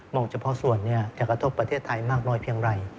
งเฉพาะส่วนจะกระทบประเทศไทยมากน้อยเพียงไร